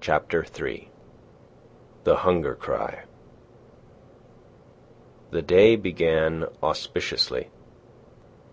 CHAPTER III THE HUNGER CRY The day began auspiciously.